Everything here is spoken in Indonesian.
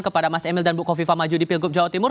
kepada mas emil dan buko viva maju di pilgub jawa timur